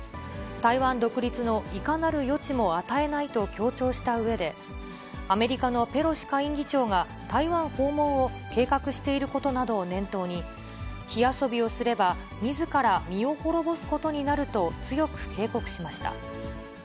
台湾独立のいかなる余地も与えないと強調したうえで、アメリカのペロシ下院議長が台湾訪問を計画していることなどを念頭に、火遊びをすれば、みずから身を滅ぼすことになると強く警告しました。